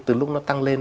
từ lúc nó tăng lên